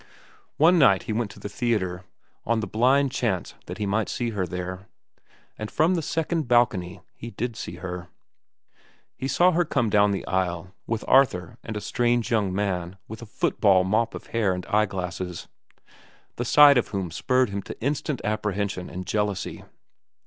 One night he went to the theatre, on the blind chance that he might see her there, and from the second balcony he did see her. He saw her come down the aisle, with Arthur and a strange young man with a football mop of hair and eyeglasses, the sight of whom spurred him to instant apprehension and jealousy.